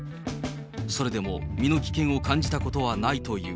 それでも身の危険を感じたことはないという。